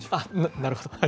なるほど。